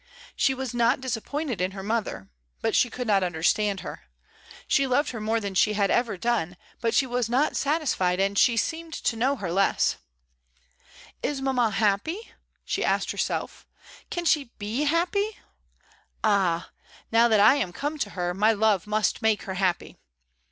She was not disappointed in her mother; but she could not imderstand her: she loved her more than she had ever done, but she was not satisfied, and she seemed to know her less. "TELL ME WHY SUSANNAHS FAIR." 75 "Is mamma happy?" she asked herself; "can she be happy? Ah! now that I am come to her, my love must make her happy."